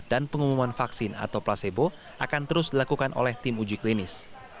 pengumuman vaksin atau placebo akan terus dilakukan oleh tim uji klinis